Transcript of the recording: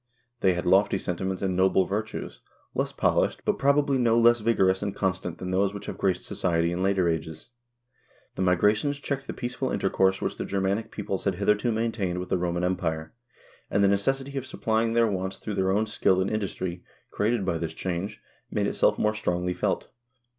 They had lofty sentiments and noble virtues, less polished, but, probably, no less vigorous and constant than those which have graced society in later ages. The Migrations checked the peaceful intercourse which the Ger manic peoples had hitherto maintained with the Roman Empire, and the necessity of supplying their wants through their own skill and industry, created by this change, made itself more strongly felt.